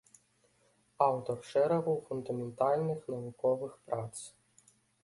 Аўтар шэрагу фундаментальных навуковых прац.